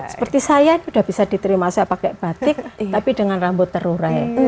seperti saya sudah bisa diterima saya pakai batik tapi dengan rambut terurai